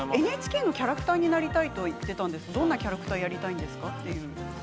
ＮＨＫのキャラクターになりたいと言っていましたがどんなキャラクターをやりたいんですか。